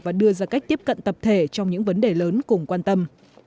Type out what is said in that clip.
và đưa ra cách tiếp cận tập thể trong những vấn đề lớn cùng quan tâm